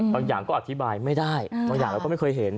อย่างก็อธิบายไม่ได้บางอย่างเราก็ไม่เคยเห็น